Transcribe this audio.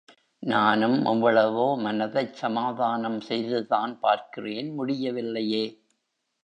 நானும் எவ்வளவோ மனதைச் சமாதான்ம் செய்துதான் பார்க்கிறேன் முடியவில்லையே?